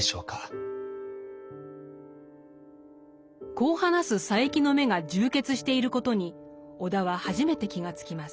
こう話す佐柄木の眼が充血していることに尾田は初めて気が付きます。